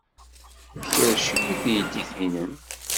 Tkerrec-iyi teydit-nnem.